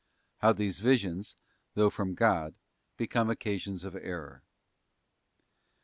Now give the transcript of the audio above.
How these visions, though from God, become occasions of error.